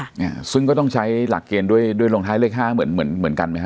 เนี่ยซึ่งก็ต้องใช้หลักเกณฑ์ด้วยด้วยลงท้ายเลขห้าเหมือนเหมือนเหมือนกันไหมฮ